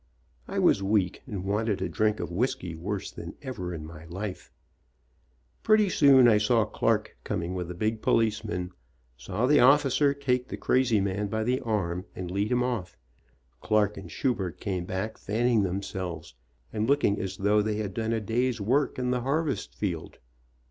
I was weak, and wanted a drink of whisky worse than ever in my life: Pretty soon I saw Clark coming with a big policeman, saw the 'officer take the crazy man by the arm and lead him off, Clark and Schubert came back fanning them selves and looking as though they had done a day's work in the harvest field.